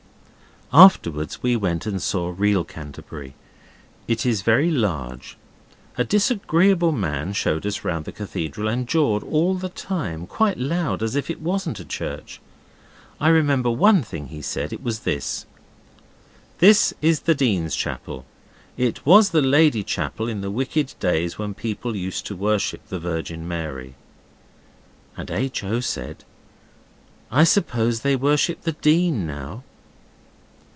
Afterwards we went and saw real Canterbury. It is very large. A disagreeable man showed us round the cathedral, and jawed all the time quite loud as if it wasn't a church. I remember one thing he said. It was this: 'This is the Dean's Chapel; it was the Lady Chapel in the wicked days when people used to worship the Virgin Mary.' And H. O. said, 'I suppose they worship the Dean now?